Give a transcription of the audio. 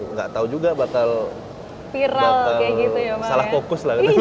nggak tahu juga bakal salah fokus lah